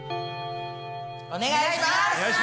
お願いします！